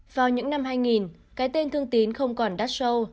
vào những năm hai nghìn cái tên thương tín không còn đắt sâu